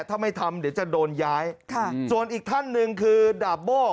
ส่วนส่วนอีกฮันดาบโบ้